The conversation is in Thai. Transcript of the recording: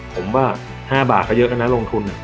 ผมว่า๕บาทก็เยอะกันนะลงทุน